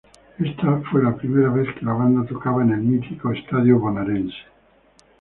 Esta fue la primera vez que la banda tocaba en el mítico estadio bonaerense.